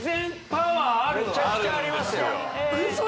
めちゃくちゃありますよ